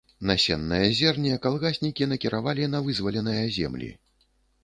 Насеннае зерне калгаснікі накіравалі на вызваленыя зямлі.